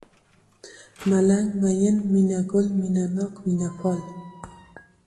ملنگ ، مين ، مينه گل ، مينه ناک ، مينه پال